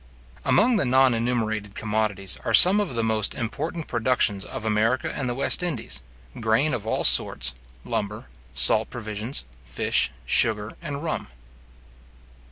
Among the non enumerated commodities are some of the most important productions of America and the West Indies, grain of all sorts, lumber, salt provisions, fish, sugar, and rum.